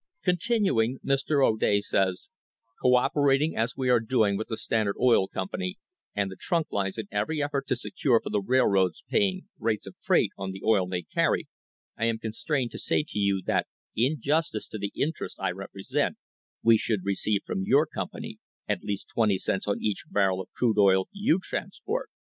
'* Continuing, Mr. O'Day says: "Co operating as we are doing with the Standard Oil Company and the trunk lines in every effort to secure for the railroads paying rates of freight on the oil they carry, I am constrained to say to you that in justice to the interests I represent we should receive from your company at least twenty cents on each barrel of crude oil you transport.